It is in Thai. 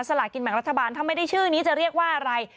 ลากินแบ่งรัฐบาลถ้าไม่ได้ชื่อนี้จะเรียกว่าอะไร